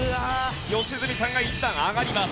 良純さんが１段上がります。